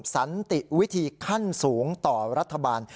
สันติวิธีขั้นสูงต่อรัฐบาล